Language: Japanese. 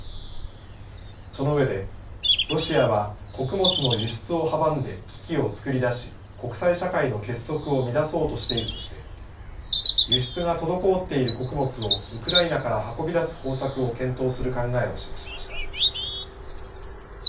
その上でロシアは穀物の輸出を阻んで危機を作り出し国際社会の結束を乱そうとしているとして輸出が滞っている穀物をウクライナから運び出す方策を検討する考えを示しました。